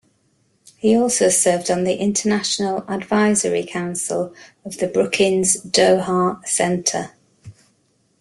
He also served on the International Advisory Council of the Brookings Doha Center.